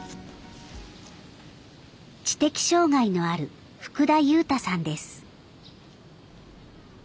知的障害のある福田悠太さんです。